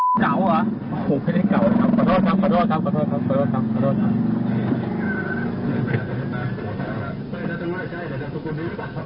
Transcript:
ขอโทษครับขอโทษครับขอโทษครับขอโทษครับ